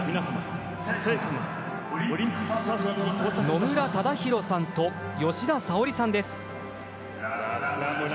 野村忠宏さんと吉田沙保里さんです。